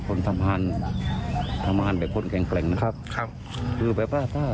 คนทำงานทำงานแบบคนแข็งแกร่งนะครับครับคือแบบว่าถ้า